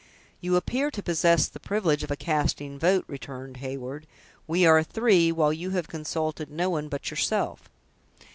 "You appear to possess the privilege of a casting vote," returned Heyward; "we are three, while you have consulted no one but yourself."